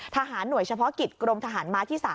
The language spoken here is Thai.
หน่วยเฉพาะกิจกรมทหารม้าที่๓